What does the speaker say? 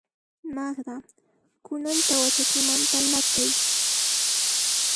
Magda, kunan tawa chakimanta lat'ay.